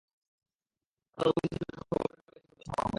আপনার অনুমতি ছাড়া খবরের কাগজে একটা শব্দও ছাপা হবে না।